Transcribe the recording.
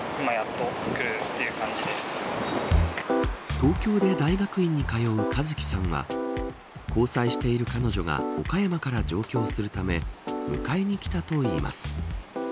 東京で大学院に通う和樹さんは交際している彼女が岡山から上京するため迎えに来たといいます。